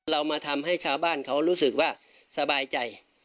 เรามาทำให้ชาวบ้านเขารู้สึกว่าสบายใจ